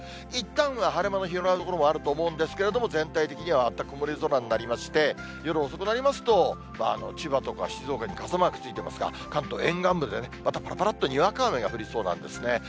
いったんは晴れ間の広がる所もあると思うんですけれども、全体的にはまた曇り空になりまして、夜遅くになりますと、千葉とか静岡に傘マークついてますが、関東沿岸部でまたぱらぱらっとにわか雨が降りそうなんですね。